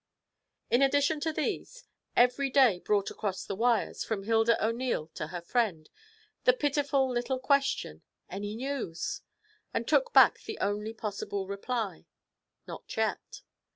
In addition to these, every day brought across the wires, from Hilda O'Neil to her friend, the pitiful little question, 'Any news?' and took back the only possible reply, 'Not yet.'